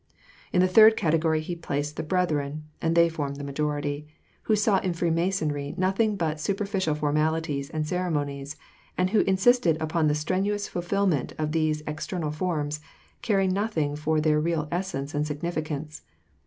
In the third category, he placed the brethren — and they formed the majority — who saw in Freemasonry nothing but superficial formalities and ceremonies, and who insisted upon the strenuous fulfilment of these external forms, caring noth ing for their real essence and significance.